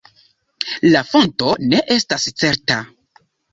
La fonto ne estas certa.